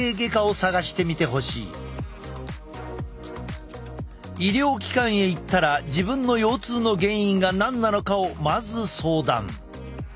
試してみたいと思っている人はまず医療機関へ行ったら自分の腰痛の原因が何なのかをまず相談。